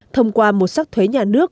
thông qua một sắc thuế nhà nước